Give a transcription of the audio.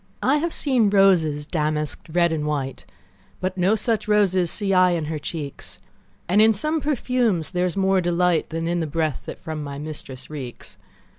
I have seen roses damask'd, red and white, But no such roses see I in her cheeks; And in some perfumes is there more delight Than in the breath that from my mistress reeks.